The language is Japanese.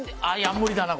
無理だな。